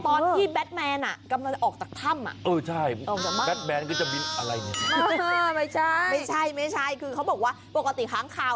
ตอนที่บาดแมนอ่ะกำลังจะออกจากถ้ำอ่ะ